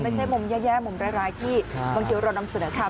ไม่ใช่มุมแย่มุมร้ายที่บางทีเรานำเสนอข่าว